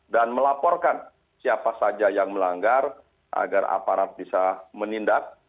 dan melaporkan siapa saja yang melanggar agar aparat bisa menindak